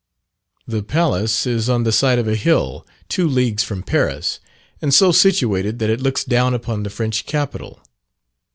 The palace is on the side of a hill, two leagues from Paris, and so situated that it looks down upon the French capital.